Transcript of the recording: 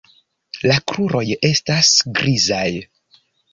La kruroj estas grizaj.